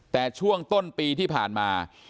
แต่ช่วงต้นปีที่ผ่านมา